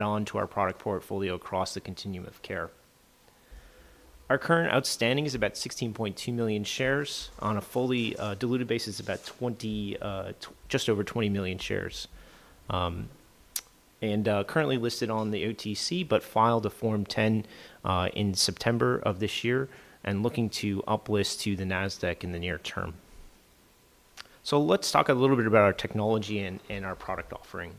Onto our product portfolio across the continuum of care. Our current outstanding is about 16.2 million shares. On a fully diluted basis, about just over 20 million shares, and currently listed on the OTC, but filed a Form 10 in September of this year, and looking to uplist to the NASDAQ in the near term, so let's talk a little bit about our technology and our product offering.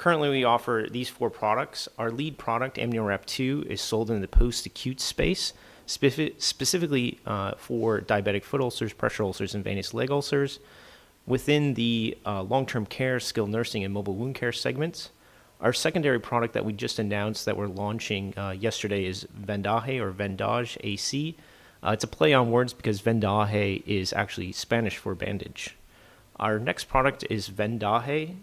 Currently, we offer these four products. Our lead product, AmnioWrap2, is sold in the post-acute space, specifically for diabetic foot ulcers, pressure ulcers, and venous leg ulcers. Within the long-term care, skilled nursing, and mobile wound care segments, our secondary product that we just announced that we're launching yesterday is Vendaje AC. It's a play on words because Vendaje is actually Spanish for bandage. Our next product is Vendaje,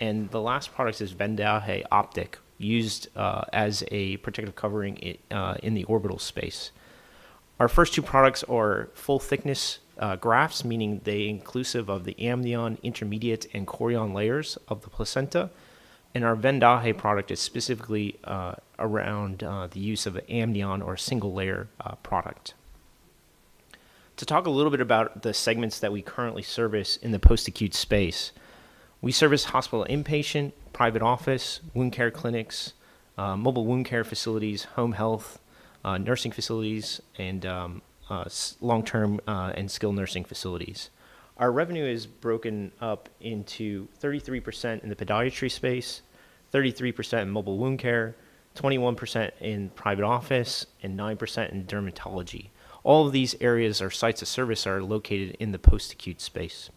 and the last product is Vendaje Optic, used as a protective covering in the orbital space. Our first two products are full-thickness grafts, meaning they are inclusive of the amnion, intermediate, and chorion layers of the placenta. And our Vendaje product is specifically around the use of an amnion or a single-layer product. To talk a little bit about the segments that we currently service in the post-acute space, we service hospital inpatient, private office, wound care clinics, mobile wound care facilities, home health, nursing facilities, and long-term and skilled nursing facilities. Our revenue is broken up into 33% in the podiatry space, 33% in mobile wound care, 21% in private office, and 9% in dermatology. All of these areas or sites of service are located in the post-acute space.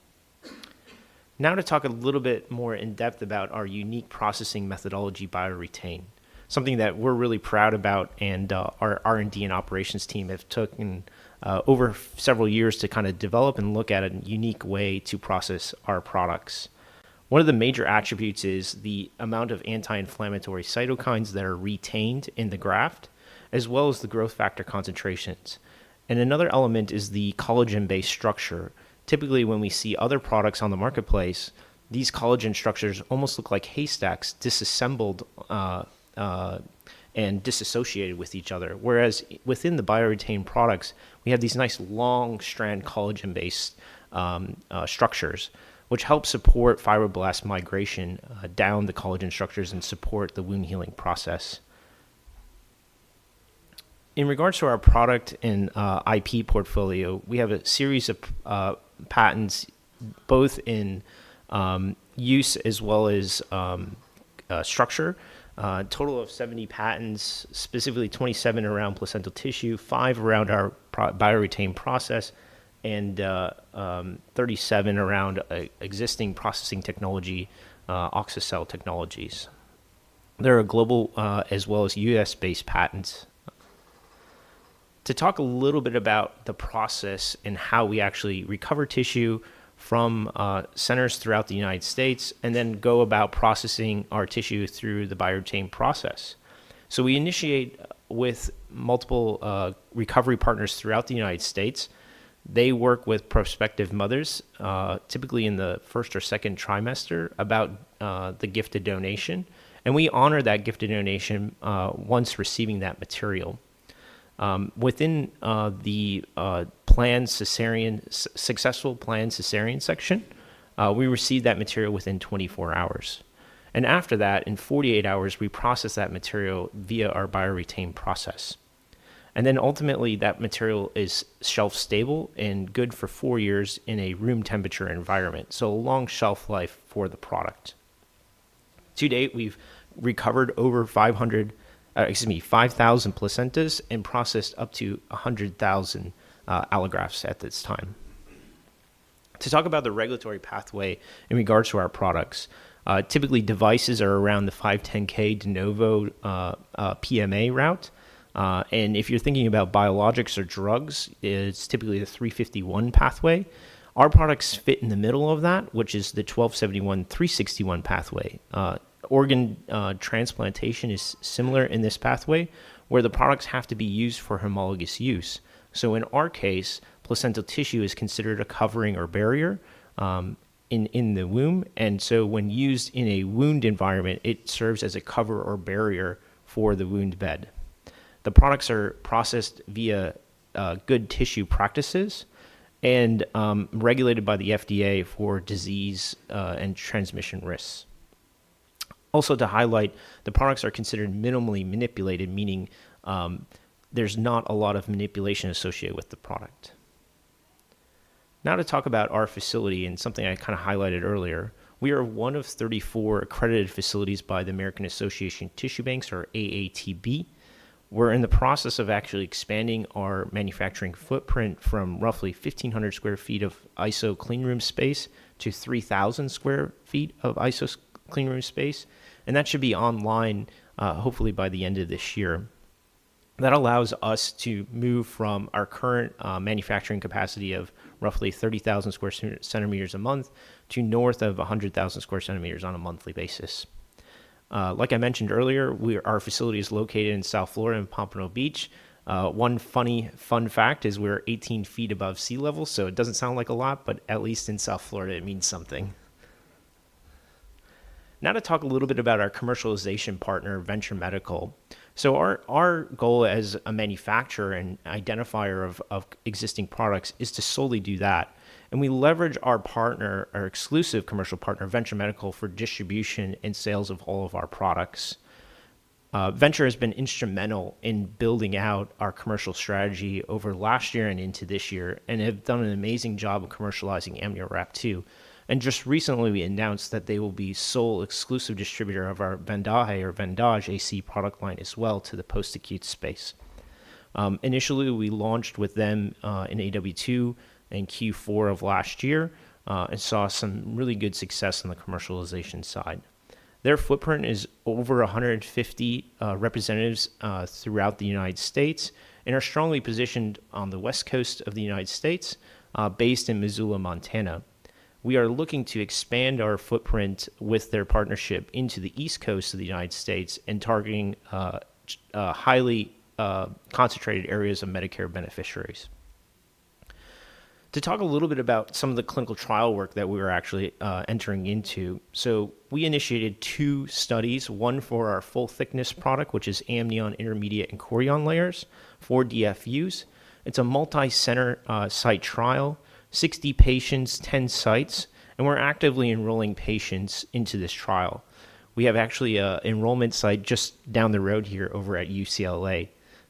Now to talk a little bit more in depth about our unique processing methodology, BioRetain, something that we're really proud about, and our R&D and operations team have taken over several years to kind of develop and look at a unique way to process our products. One of the major attributes is the amount of anti-inflammatory cytokines that are retained in the graft, as well as the growth factor concentrations, and another element is the collagen-based structure. Typically, when we see other products on the marketplace, these collagen structures almost look like haystacks disassembled and disassociated with each other. Whereas within the BioRetain products, we have these nice long-strand collagen-based structures, which help support fibroblast migration down the collagen structures and support the wound healing process. In regards to our product and IP portfolio, we have a series of patents, both in use as well as structure. A total of 70 patents, specifically 27 around placental tissue, 5 around our BioRetain process, and 37 around existing processing technology, Auxocell Technologies. There are global as well as U.S.-based patents. To talk a little bit about the process and how we actually recover tissue from centers throughout the United States, and then go about processing our tissue through the BioRetain process, so we initiate with multiple recovery partners throughout the United States. They work with prospective mothers, typically in the first or second trimester, about the gifted donation, and we honor that gifted donation once receiving that material. Within the successful planned cesarean section, we receive that material within 24 hours, and after that, in 48 hours, we process that material via our BioRetain process, and then ultimately, that material is shelf-stable and good for four years in a room temperature environment. A long shelf life for the product. To date, we've recovered over 500, excuse me, 5,000 placentas and processed up to 100,000 allografts at this time. To talk about the regulatory pathway in regards to our products, typically devices are around the 510(k) de novo PMA route. If you're thinking about biologics or drugs, it's typically the 351 pathway. Our products fit in the middle of that, which is the 1271 361 pathway. Organ transplantation is similar in this pathway, where the products have to be used for homologous use. In our case, placental tissue is considered a covering or barrier in the womb. So when used in a wound environment, it serves as a cover or barrier for the wound bed. The products are processed via good tissue practices and regulated by the FDA for disease and transmission risks. Also to highlight, the products are considered minimally manipulated, meaning there's not a lot of manipulation associated with the product. Now to talk about our facility and something I kind of highlighted earlier, we are one of 34 accredited facilities by the American Association of Tissue Banks, or AATB. We're in the process of actually expanding our manufacturing footprint from roughly 1,500 sq ft of ISO cleanroom space to 3,000 sq ft of ISO cleanroom space, and that should be online, hopefully by the end of this year. That allows us to move from our current manufacturing capacity of roughly 30,000 square centimeters a month to north of 100,000 square centimeters on a monthly basis. Like I mentioned earlier, our facility is located in South Florida in Pompano Beach. One funny fun fact is we're 18 ft above sea level. It doesn't sound like a lot, but at least in South Florida, it means something. Now to talk a little bit about our commercialization partner, Venture Medical. Our goal as a manufacturer and identifier of existing products is to solely do that. We leverage our partner, our exclusive commercial partner, Venture Medical, for distribution and sales of all of our products. Venture has been instrumental in building out our commercial strategy over last year and into this year, and have done an amazing job of commercializing AmnioWrap2. Just recently, we announced that they will be sole exclusive distributor of our Vendaje AC product line as well to the post-acute space. Initially, we launched with them in AW2 and Q4 of last year and saw some really good success on the commercialization side. Their footprint is over 150 representatives throughout the United States and are strongly positioned on the west coast of the United States, based in Missoula, Montana. We are looking to expand our footprint with their partnership into the east coast of the United States and targeting highly concentrated areas of Medicare beneficiaries. To talk a little bit about some of the clinical trial work that we are actually entering into, so we initiated two studies, one for our full-thickness product, which is amnion, intermediate, and chorion layers for DFUs. It's a multi-center site trial, 60 patients, 10 sites, and we're actively enrolling patients into this trial. We have actually an enrollment site just down the road here over at UCLA,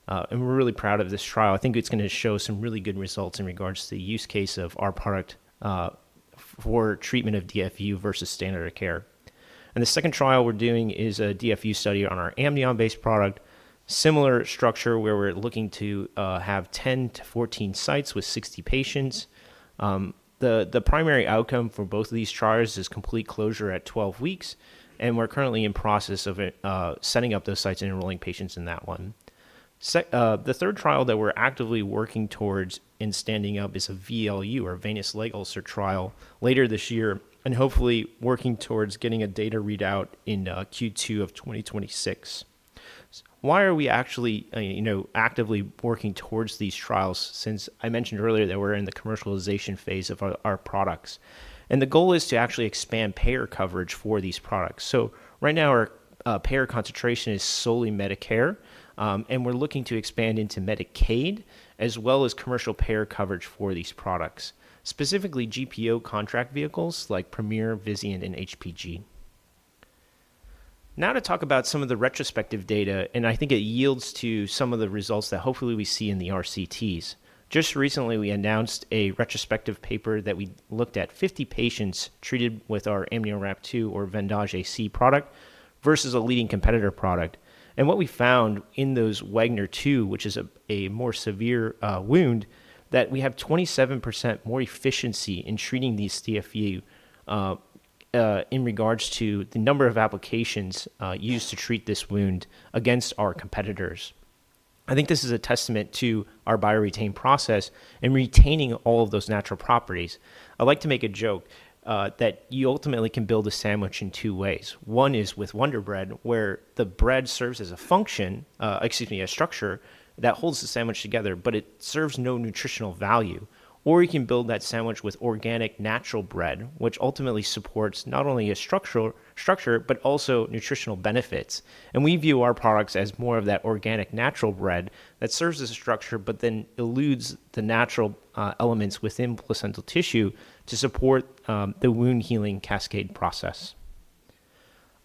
and we're really proud of this trial. I think it's going to show some really good results in regards to the use case of our product for treatment of DFU versus standard of care. And the second trial we're doing is a DFU study on our amnion-based product, similar structure where we're looking to have 10 to 14 sites with 60 patients. The primary outcome for both of these trials is complete closure at 12 weeks. And we're currently in process of setting up those sites and enrolling patients in that one. The third trial that we're actively working towards and standing up is a VLU or venous leg ulcer trial later this year, and hopefully working towards getting a data readout in Q2 of 2026. Why are we actually actively working towards these trials? Since I mentioned earlier that we're in the commercialization phase of our products. The goal is to actually expand payer coverage for these products. So right now, our payer concentration is solely Medicare, and we're looking to expand into Medicaid as well as commercial payer coverage for these products, specifically GPO contract vehicles like Premier, Vizient and HPG. Now to talk about some of the retrospective data, and I think it yields to some of the results that hopefully we see in the RCTs. Just recently, we announced a retrospective paper that we looked at 50 patients treated with our AmnioWrap2 or Vendaje AC product versus a leading competitor product. And what we found in those Wagner 2, which is a more severe wound, that we have 27% more efficiency in treating these DFU in regards to the number of applications used to treat this wound against our competitors. I think this is a testament to our BioRetain process in retaining all of those natural properties. I like to make a joke that you ultimately can build a sandwich in two ways. One is with Wonder Bread, where the bread serves as a function, excuse me, a structure that holds the sandwich together, but it serves no nutritional value. Or you can build that sandwich with organic natural bread, which ultimately supports not only a structure but also nutritional benefits, and we view our products as more of that organic natural bread that serves as a structure, but then eludes the natural elements within placental tissue to support the wound healing cascade process.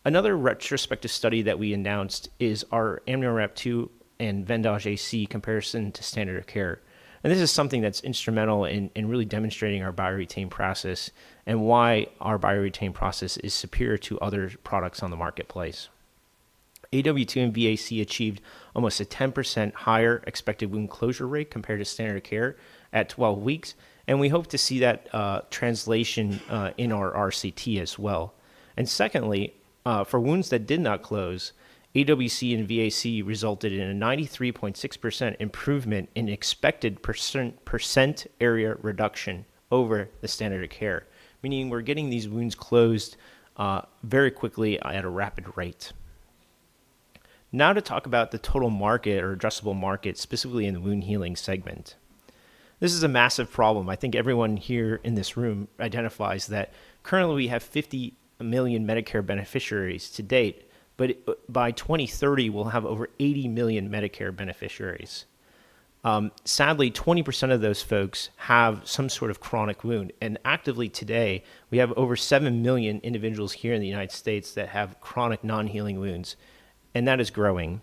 Another retrospective study that we announced is our AmnioWrap2 and Vendaje AC comparison to standard of care. This is something that's instrumental in really demonstrating our BioRetain process and why our BioRetain process is superior to other products on the marketplace. AW2 and VAC achieved almost a 10% higher expected wound closure rate compared to standard of care at 12 weeks. We hope to see that translation in our RCT as well. Secondly, for wounds that did not close, AWC and VAC resulted in a 93.6% improvement in expected percent area reduction over the standard of care, meaning we're getting these wounds closed very quickly at a rapid rate. Now to talk about the total market or addressable market, specifically in the wound healing segment. This is a massive problem. I think everyone here in this room identifies that currently we have 50 million Medicare beneficiaries to date, but by 2030, we'll have over 80 million Medicare beneficiaries. Sadly, 20% of those folks have some sort of chronic wound, and actively today, we have over 7 million individuals here in the United States that have chronic non-healing wounds, and that is growing.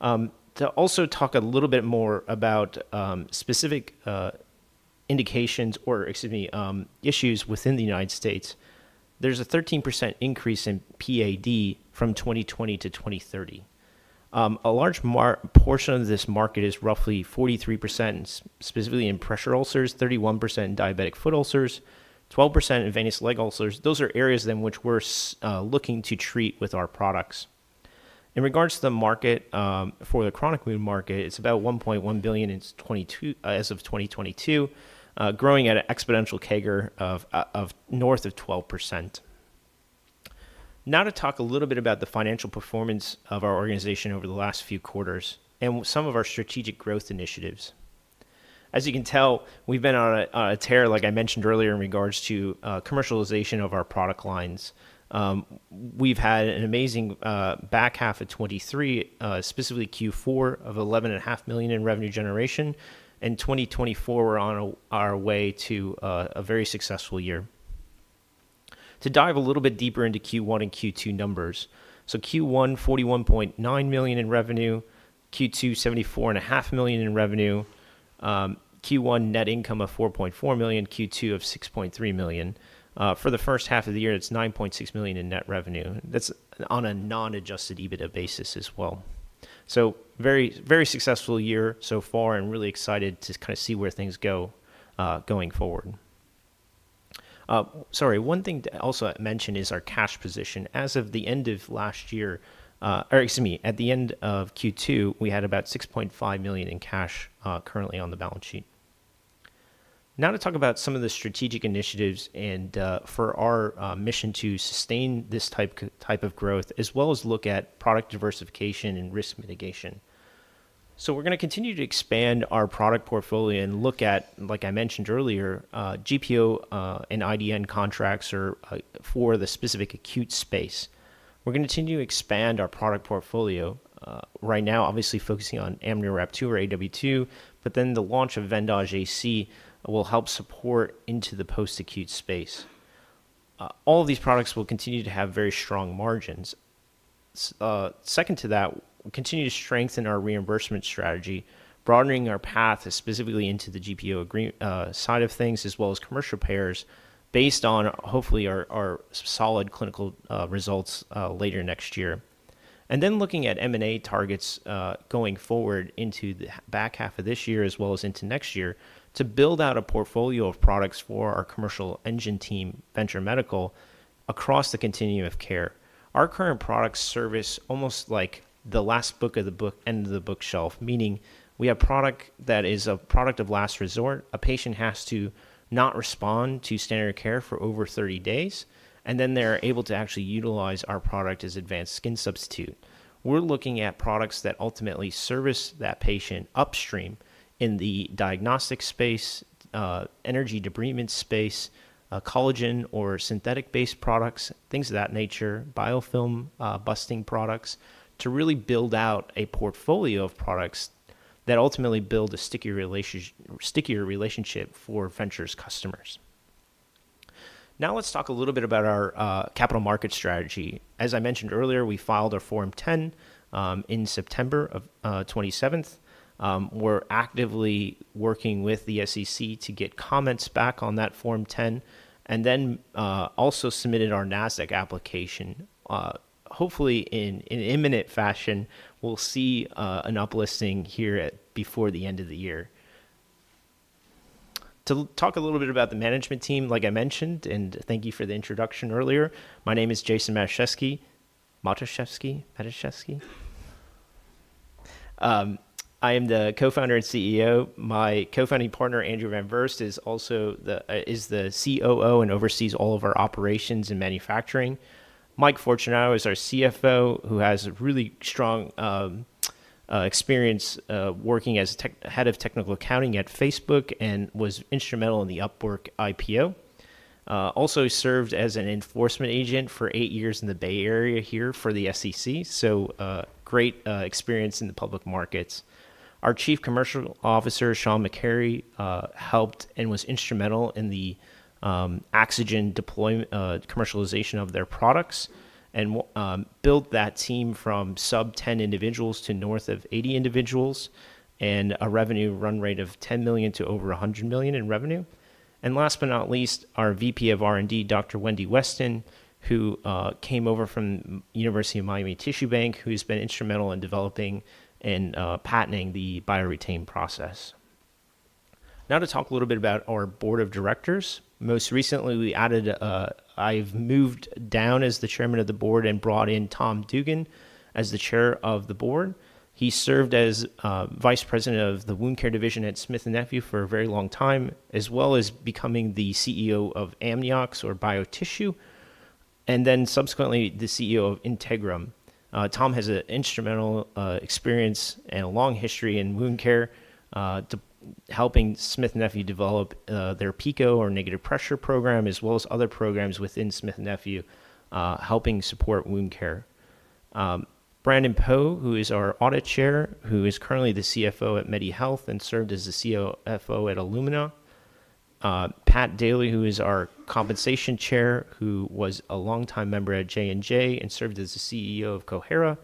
To also talk a little bit more about specific indications or, excuse me, issues within the United States, there's a 13% increase in PAD from 2020 to 2030. A large portion of this market is roughly 43% specifically in pressure ulcers, 31% in diabetic foot ulcers, 12% in venous leg ulcers. Those are areas in which we're looking to treat with our products. In regards to the market for the chronic wound market, it's about $1.1 billion as of 2022, growing at an exponential CAGR of north of 12%. Now to talk a little bit about the financial performance of our organization over the last few quarters and some of our strategic growth initiatives. As you can tell, we've been on a tear, like I mentioned earlier, in regards to commercialization of our product lines. We've had an amazing back half of 2023, specifically Q4, of $11.5 million in revenue generation. And 2024, we're on our way to a very successful year. To dive a little bit deeper into Q1 and Q2 numbers, so Q1, $41.9 million in revenue, Q2, $74.5 million in revenue, Q1 net income of $4.4 million, Q2 of $6.3 million. For the first half of the year, it's $9.6 million in net revenue. That's on a non-adjusted EBITDA basis as well. So very successful year so far and really excited to kind of see where things go going forward. Sorry, one thing to also mention is our cash position. As of the end of last year or, excuse me, at the end of Q2, we had about $6.5 million in cash currently on the balance sheet. Now to talk about some of the strategic initiatives and for our mission to sustain this type of growth, as well as look at product diversification and risk mitigation, so we're going to continue to expand our product portfolio and look at, like I mentioned earlier, GPO and IDN contracts for the specific acute space. We're going to continue to expand our product portfolio right now, obviously focusing on AmnioWrap2 or AW2, but then the launch of Vendaje AC will help support into the post-acute space. All of these products will continue to have very strong margins. Second to that, continue to strengthen our reimbursement strategy, broadening our path specifically into the GPO side of things, as well as commercial payers based on hopefully our solid clinical results later next year, and then looking at M&A targets going forward into the back half of this year, as well as into next year, to build out a portfolio of products for our commercial engine team, Venture Medical, across the continuum of care. Our current products serve almost like the last book of the bookend of the bookshelf, meaning we have product that is a product of last resort. A patient has to not respond to standard of care for over 30 days, and then they're able to actually utilize our product as advanced skin substitute. We're looking at products that ultimately service that patient upstream in the diagnostic space, energy debridement space, collagen or synthetic-based products, things of that nature, biofilm busting products, to really build out a portfolio of products that ultimately build a stickier relationship for Venture's customers. Now let's talk a little bit about our capital market strategy. As I mentioned earlier, we filed our Form 10 in September of 2027. We're actively working with the SEC to get comments back on that Form 10 and then also submitted our NASDAQ application. Hopefully, in imminent fashion, we'll see an uplisting here before the end of the year. To talk a little bit about the management team, like I mentioned, and thank you for the introduction earlier, my name is Jason Matuszewski. Matuszewski? Matuszewski. I am the Co-founder and CEO. My co-founding partner, Andrew Van Vurst, is the COO and oversees all of our operations and manufacturing. Mike Fortunato is our CFO, who has really strong experience working as head of technical accounting at Facebook and was instrumental in the Upwork IPO. Also served as an enforcement agent for eight years in the Bay Area here for the SEC. So great experience in the public markets. Our Chief Commercial Officer, Shawn McCarrey, helped and was instrumental in the AxoGen commercialization of their products and built that team from sub-10 individuals to north of 80 individuals and a revenue run rate of 10 million to over 100 million in revenue. And last but not least, our VP of R&D, Dr. Wendy Weston, who came over from University of Miami Tissue Bank, who has been instrumental in developing and patenting the BioRetain process. Now to talk a little bit about our board of directors. Most recently, I've moved down as the chairman of the board and brought in Tom Dugan as the chair of the board. He served as vice president of the wound care division at Smith & Nephew for a very long time, as well as becoming the CEO of Amniox or BioTissue, and then subsequently the CEO of Integrum. Tom has an instrumental experience and a long history in wound care, helping Smith & Nephew develop their PICO or negative pressure program, as well as other programs within Smith & Nephew, helping support wound care. Brandon Poe, who is our audit chair, who is currently the CFO at Medsphere and served as the CFO at Illumina. Pat Daly, who is our Compensation Chair, who was a longtime member at J&J and served as the CEO of Cohera,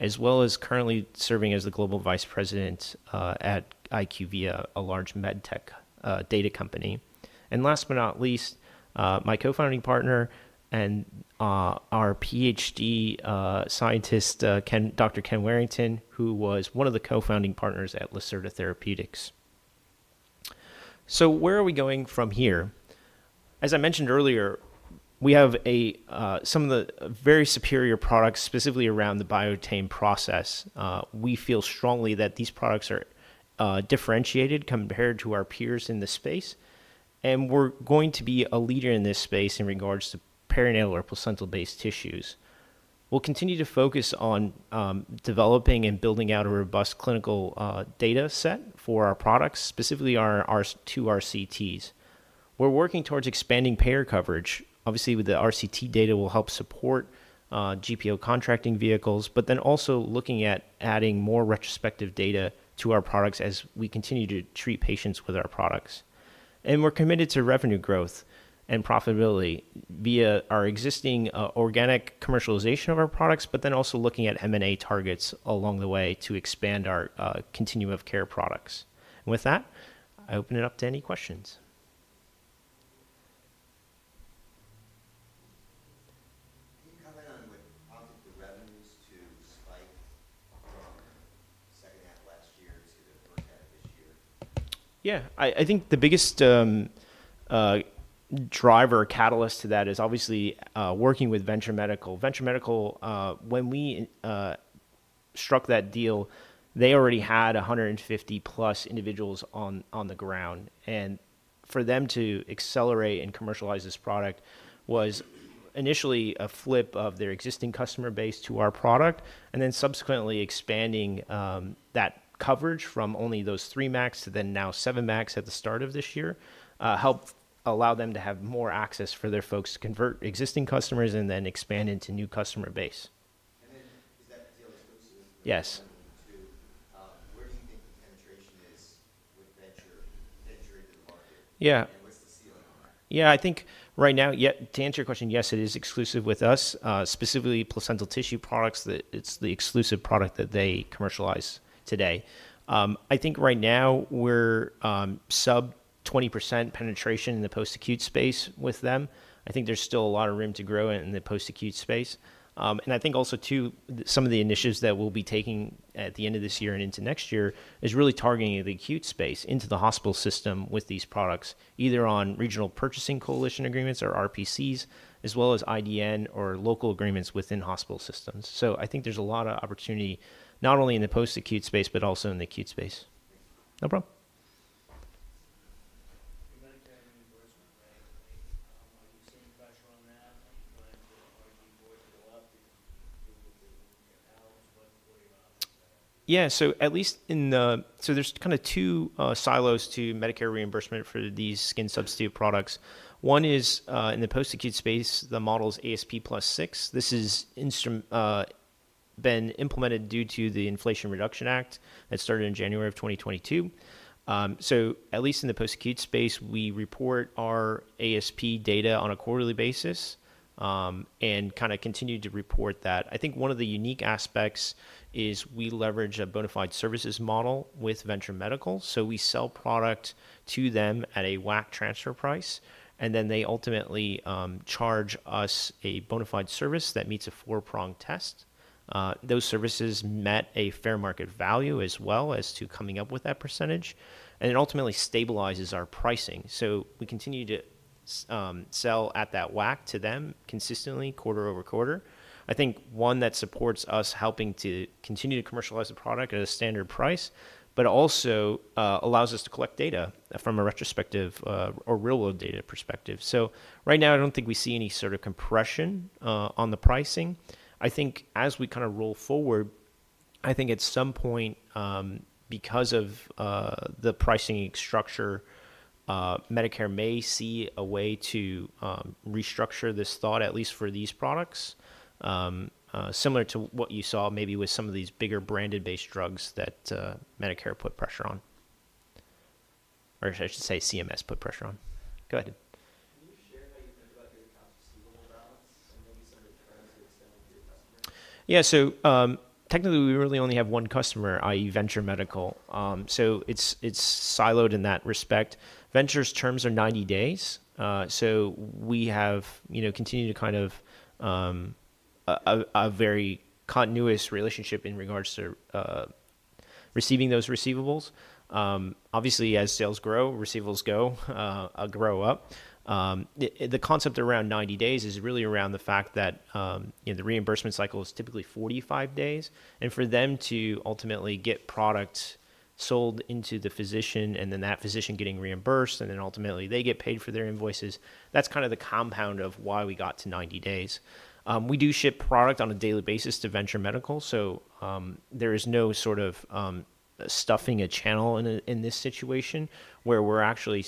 as well as currently serving as the global vice president at IQVIA, a large medtech data company. And last but not least, my co-founding partner and our PhD scientist, Dr. Ken Warrington, who was one of the co-founding partners at Lacerta Therapeutics. So where are we going from here? As I mentioned earlier, we have some of the very superior products specifically around the BioRetain process. We feel strongly that these products are differentiated compared to our peers in the space, and we're going to be a leader in this space in regards to perinatal or placental-based tissues. We'll continue to focus on developing and building out a robust clinical data set for our products, specifically our two RCTs. We're working towards expanding payer coverage. Obviously, with the RCT data, we'll help support GPO contracting vehicles, but then also looking at adding more retrospective data to our products as we continue to treat patients with our products, and we're committed to revenue growth and profitability via our existing organic commercialization of our products, but then also looking at M&A targets along the way to expand our continuum of care products, and with that, I open it up to any questions. Can you comment on the revenues to spike from second half last year to the first half of this year? Yeah. I think the biggest driver or catalyst to that is obviously working with Venture Medical. Venture Medical, when we struck that deal, they already had 150-plus individuals on the ground. And for them to accelerate and commercialize this product was initially a flip of their existing customer base to our product, and then subsequently expanding that coverage from only those three max to then now seven max at the start of this year helped allow them to have more access for their folks to convert existing customers and then expand into new customer base. And then is that deal exclusive with Venture Medical too? Where do you think the penetration is with Venture into the market? Yeah. And what's the ceiling on that? Yeah. I think right now, to answer your question, yes, it is exclusive with us, specifically placental tissue products. It's the exclusive product that they commercialize today. I think right now we're sub-20% penetration in the post-acute space with them. I think there's still a lot of room to grow in the post-acute space. I think also too, some of the initiatives that we'll be taking at the end of this year and into next year is really targeting the acute space into the hospital system with these products, either on regional purchasing coalition agreements or RPCs, as well as IDN or local agreements within hospital systems. So I think there's a lot of opportunity not only in the post-acute space but also in the acute space. No problem. Medicare reimbursement, right? Are you seeing pressure on that? Are you going to go up? Yeah. So at least in the so there's kind of two silos to Medicare reimbursement for these skin substitute products. One is in the post-acute space, the model's ASP+6. This has been implemented due to the Inflation Reduction Act that started in January of 2022. So at least in the post-acute space, we report our ASP data on a quarterly basis and kind of continue to report that. I think one of the unique aspects is we leverage a bona fide services model with Venture Medical. So we sell product to them at a WAC transfer price, and then they ultimately charge us a bona fide service that meets a four-prong test. Those services met a fair market value as well as to coming up with that percentage. And it ultimately stabilizes our pricing. So we continue to sell at that WAC to them consistently quarter over quarter. I think one that supports us helping to continue to commercialize the product at a standard price, but also allows us to collect data from a retrospective or real-world data perspective. So right now, I don't think we see any sort of compression on the pricing. I think as we kind of roll forward, I think at some point, because of the pricing structure, Medicare may see a way to restructure this thought, at least for these products, similar to what you saw maybe with some of these bigger branded-based drugs that Medicare put pressure on. Or I should say CMS put pressure on. Go ahead. Can you share how you think about your accounts receivable balance and maybe some of the terms you extend to your customers? Yeah. So technically, we really only have one customer, i.e., Venture Medical. So it's siloed in that respect. Venture's terms are 90 days. So we have continued to kind of a very continuous relationship in regards to receiving those receivables. Obviously, as sales grow, receivables grow up. The concept around 90 days is really around the fact that the reimbursement cycle is typically 45 days. For them to ultimately get products sold into the physician and then that physician getting reimbursed and then ultimately they get paid for their invoices, that's kind of the compound of why we got to 90 days. We do ship product on a daily basis to Venture Medical. So there is no sort of stuffing a channel in this situation where we're actually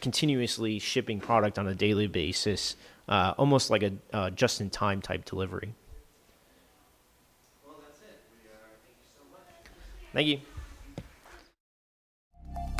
continuously shipping product on a daily basis, almost like a just-in-time type delivery. That's it. Thank you so much. Thank you.